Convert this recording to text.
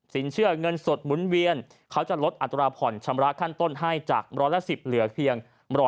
เชื่อเงินสดหมุนเวียนเขาจะลดอัตราผ่อนชำระขั้นต้นให้จากร้อยละ๑๐เหลือเพียง๑๐๐